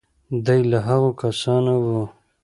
دی له هغو کسانو و.